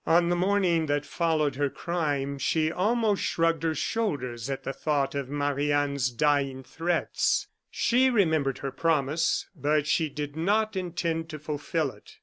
On the morning that followed her crime, she almost shrugged her shoulders at the thought of Marie Anne's dying threats. She remembered her promise, but she did not intend to fulfil it.